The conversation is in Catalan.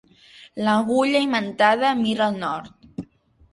L'agulla imantada mira al nord.